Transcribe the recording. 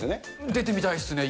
出てみたいですね。